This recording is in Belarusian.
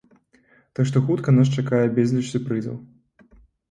Так што хутка нас чакае безліч сюрпрызаў.